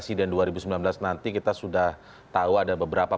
setelah jeda tetap bersama kami di cnn indonesia